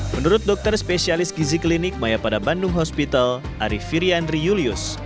menurut dokter spesialis gizi klinik maya pada bandung hospital ariefirian riulius